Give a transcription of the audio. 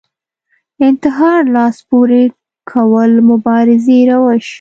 انتحار لاس پورې کول مبارزې روش